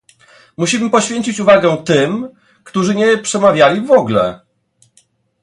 Musimy poświęcić uwagę tym, którzy nie przemawiali w ogóle